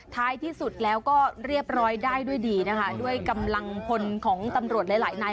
ท้ายที่สุดแล้วก็เรียบร้อยได้ด้วยดีนะคะด้วยกำลังพลของตำรวจหลายหลายนาย